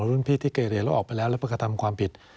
รุ่นพี่ที่เคยเรียนแล้วออกไปแล้วแล้วไปกระทำความผิด